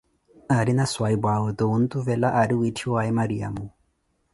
Aarina swahiphuʼawe oto wontuvela aari wiitthiwaaye Mariamo.